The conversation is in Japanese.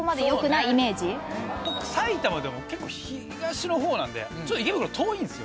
僕埼玉でも結構東の方なんでちょっと池袋遠いんですよ。